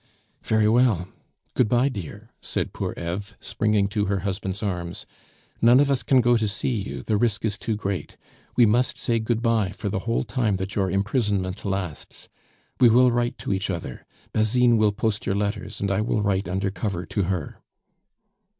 "Very well; good bye, dear," said poor Eve, springing to her husband's arms; "none of us can go to see you, the risk is too great. We must say good bye for the whole time that your imprisonment lasts. We will write to each other; Basine will post your letters, and I will write under cover to her."